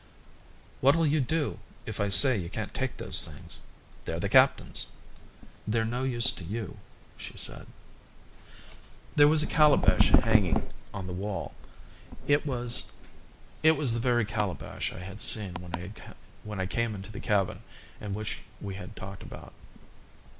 "What'll you do if I say you can't take those things? They're the captain's." "They're no use to you," she said. There was a calabash hanging on the wall. It was the very calabash I had seen when I came into the cabin and which we had talked about.